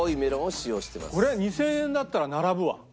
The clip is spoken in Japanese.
これ２０００円だったら並ぶわ。